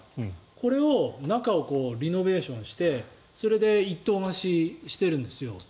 これを、中をリノベーションしてそれで一棟貸ししてるんですよ。